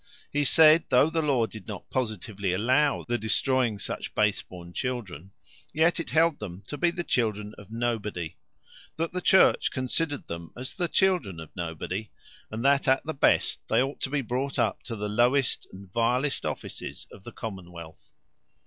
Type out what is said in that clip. He said, "Though the law did not positively allow the destroying such base born children, yet it held them to be the children of nobody; that the Church considered them as the children of nobody; and that at the best, they ought to be brought up to the lowest and vilest offices of the commonwealth."